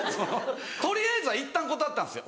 取りあえずはいったん断ったんですよ。